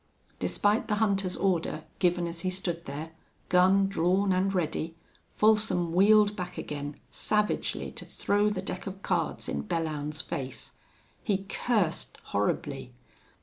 Despite the hunter's order, given as he stood there, gun drawn and ready, Folsom wheeled back again, savagely to throw the deck of cards in Belllounds's face. He cursed horribly....